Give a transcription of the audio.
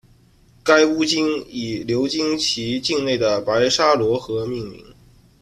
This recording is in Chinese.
该巫金以流经其境内的白沙罗河命名。